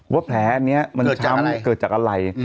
ว่าแผลเนี่ยเกิดจากอะไร